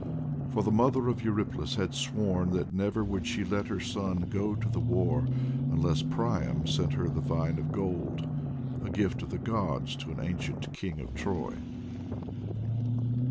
For the mother of Eurypylus had sworn that never would she let her son go to the war unless Priam sent her the vine of gold, a gift of the gods to an ancient King of Troy.